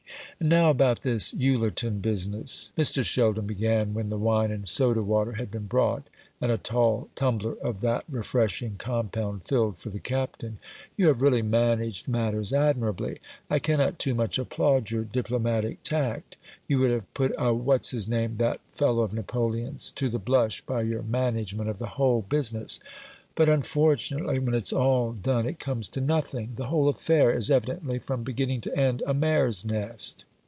"And now about this Ullerton business," Mr. Sheldon began, when the wine and soda water had been brought, and a tall tumbler of that refreshing compound filled for the Captain; "you have really managed matters admirably. I cannot too much applaud your diplomatic tact. You would have put a what's his name that fellow of Napoleon's to the blush by your management of the whole business. But, unfortunately, when it's all done it comes to nothing; the whole affair is evidently, from beginning to end, a mare's nest.